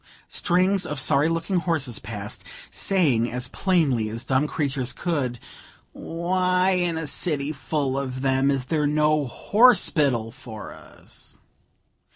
Strings of sorry looking horses passed, saying as plainly as dumb creatures could, "Why, in a city full of them, is there no _horse_pital for us?"